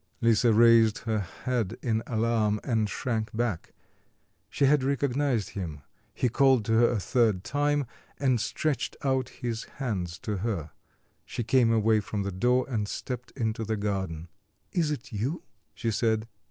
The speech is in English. Lisa raised her head in alarm, and shrank back. She had recognised him. He called to her a third time, and stretched out his hands to her. She came away from the door and stepped into the garden. "Is it you?" she said.